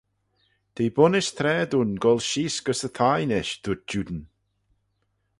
"T'eh bunnys traa dooin goll sheese gys y thie nish," dooyrt Juan.